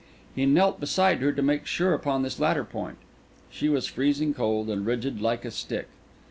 He knelt beside her to make sure upon this latter point. She was freezing cold, and rigid like a stick.